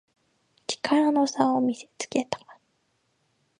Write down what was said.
力の差を見せつけた